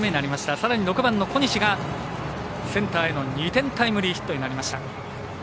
さらに６番の小西がセンターへの２点タイムリーヒットになりました。